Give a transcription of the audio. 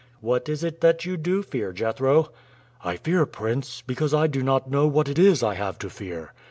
"What is it that you do fear, Jethro?" "I fear, prince, because I do not know what it is I have to fear.